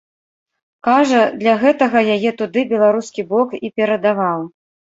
Кажа, для гэтага яе туды беларускі бок і перадаваў.